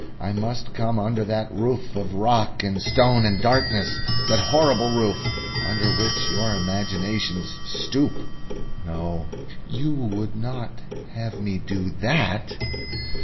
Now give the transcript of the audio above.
I must come under that roof of rock and stone and darkness, that horrible roof under which your imagination stoops... No; you would not have me do that?"